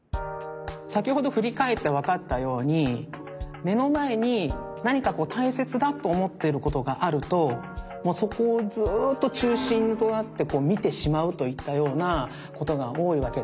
さきほどふりかえってわかったようにめのまえになにかたいせつだとおもっていることがあるとそこをずっとちゅうしんとなってみてしまうといったようなことがおおいわけです。